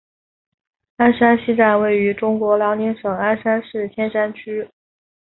鞍山西站位于中国辽宁省鞍山市千山区。